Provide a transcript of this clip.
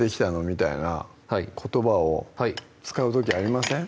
みたいな言葉を使う時ありません？